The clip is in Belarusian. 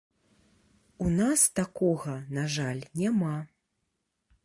У нас такога, на жаль, няма.